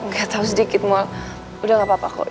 gak tau sedikit mual udah gak apa apa kok